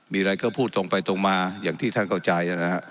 มีอะไรก็พูดตรงไปตรงมาอย่างที่ท่านเข้าใจนะฮะ